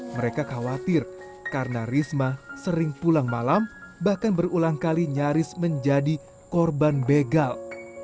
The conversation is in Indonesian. mereka khawatir karena risma sering pulang malam bahkan berulang kali nyaris menjadi korban begal